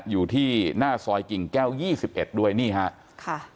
อยู่ที่หน้าซอยกิ่งแก้ว๒๑ด้วยนี่ฮะค่ะ